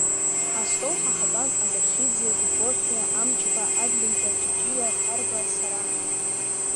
Астол ҳахатәан Абашиӡе, Гогохьиа, Амҷба, Адлеиба, Ҷаҷиа, Ҭарба, сара.